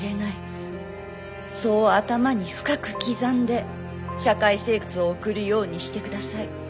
そう頭に深く刻んで社会生活を送るようにしてください。